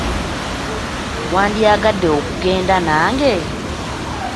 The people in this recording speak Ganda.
Wandiyagadde okugenda nange?